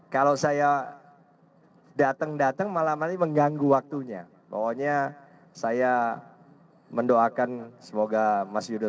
kalau saya datang datang malam hari mengganggu waktunya pokoknya saya mendoakan semoga mas yudho